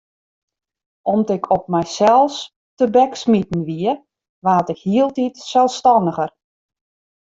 Om't ik op mysels tebeksmiten wie, waard ik hieltyd selsstanniger.